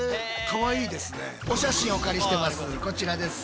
お写真お借りしてます。